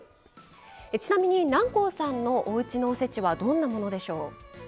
ちなみに南光さんのおうちのおせちはどんなものでしょう？